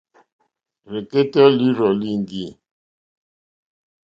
Rzɛ̀kɛ́tɛ́ lǐrzɔ̀ líŋɡî.